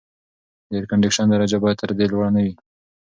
د اېرکنډیشن درجه باید تر دې لوړه نه وي.